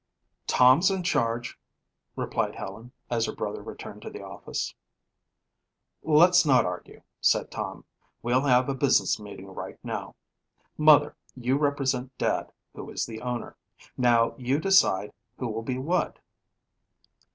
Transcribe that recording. "Tom's in charge," replied Helen as her brother returned to the office. "Let's not argue," said Tom. "We'll have a business meeting right now. Mother, you represent Dad, who is the owner. Now you decide who will be what."